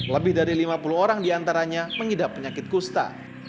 lebih dari lima puluh orang diantaranya mengidap penyakit kusta